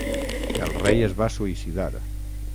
El rei es va suïcidar.